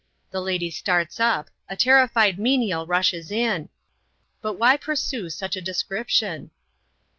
The lady starts up a terrified menial rushes in but why pursue such a description?